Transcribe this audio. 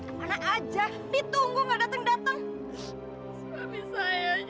suami saya meninggal dunia